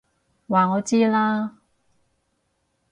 話我知啦！